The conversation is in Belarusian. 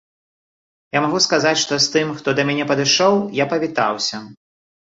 Я магу сказаць, што з тым, хто да мяне падышоў, я павітаўся.